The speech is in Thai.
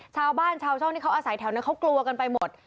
ชาวบ้านชาวช่องที่เขาอาศัยแถวนั้นเขากลัวกันไปหมด